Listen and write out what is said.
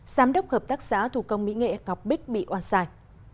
giám đốc hợp tác giả thủ công mỹ nghệ ngọc bích bị oan xài